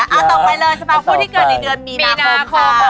เอาต่อไปเลยสำหรับผู้ที่เกิดในเดือนมีนาคม